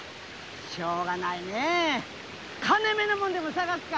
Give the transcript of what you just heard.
しようがないねえ金めの物でも探すか。